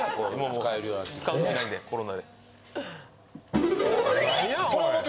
使う時ないんでコロナで。